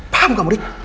paham kamu rik